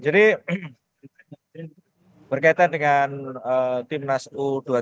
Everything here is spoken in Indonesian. jadi berkaitan dengan timnas u dua puluh tiga